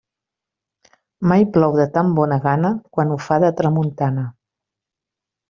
Mai plou de tan bona gana, quan ho fa de tramuntana.